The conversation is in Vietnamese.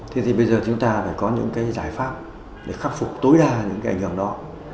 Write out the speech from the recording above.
thế thì bây giờ chúng ta phải có những cái giải pháp để khắc phục tối đa những cái ảnh hưởng đó